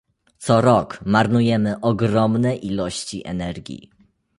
Co rok marnujemy ogromne ilości energii